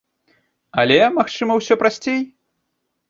Але, магчыма, усё прасцей?